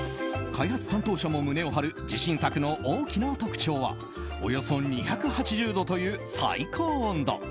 開発担当者も胸を張る自信作の大きな特徴はおよそ２８０度という最高温度。